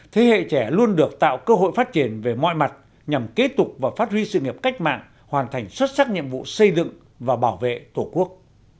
thế hệ trẻ luôn được tạo cơ hội phát triển về mọi mặt nhằm kế tục và phát huy sự nghiệp cách mạng hoàn thành xuất sắc nhiệm vụ xây dựng và bảo vệ tổ quốc